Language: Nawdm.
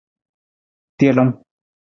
Telung.